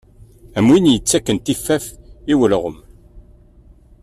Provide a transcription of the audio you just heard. Am win yettakken tifaf i ulɣem.